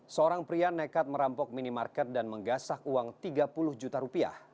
seorang pria nekat merampok minimarket dan menggasak uang tiga puluh juta rupiah